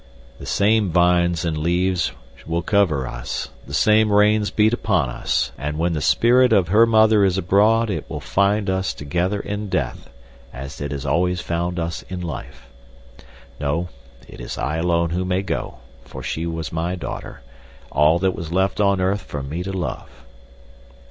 "The same vines and leaves will cover us, the same rains beat upon us; and when the spirit of her mother is abroad, it will find us together in death, as it has always found us in life. "No; it is I alone who may go, for she was my daughter—all that was left on earth for me to love."